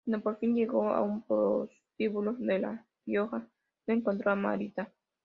Cuando por fin llegó a un prostíbulo de La Rioja, no encontró a Marita.